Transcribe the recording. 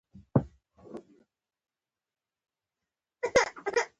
د سبزیجاتو کرنه د صحي ژوند یوه مهمه برخه ده.